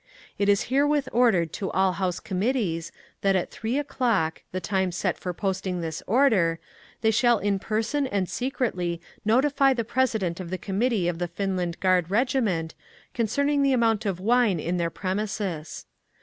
It is herewith ordered to all house committees, that at 3 o'clock, the time set for posting this order, they shall in person and secretly notify the President of the Committee of the Finland Guard Regiment, concerning the amount of wine in their premises.